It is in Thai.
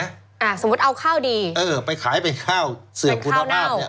อ่าสมมุติเอาข้าวดีเออไปขายไปข้าวเสื่อมคุณภาพเนี้ย